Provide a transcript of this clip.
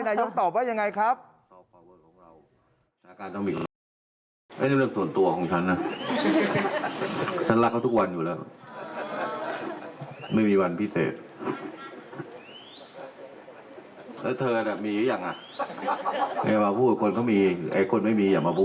นายกตอบว่ายังไงครับ